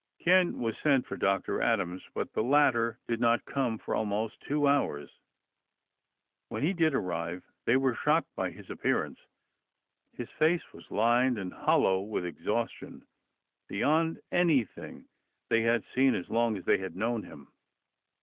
Ken was sent for Dr. Adams, but the latter did not come for almost 2 hours. When he did arrive, they were shocked by his appearance. His face was lined and hollow with exhaustion, beyond anything they had seen as long as they had known him.